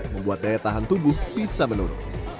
membuat daya tahan tubuh bisa menurun